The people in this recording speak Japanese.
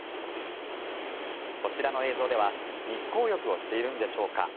こちらの映像では日光浴をしているのでしょうか